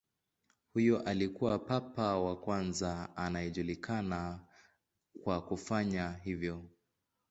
Huyu alikuwa papa wa kwanza anayejulikana kwa kufanya hivyo.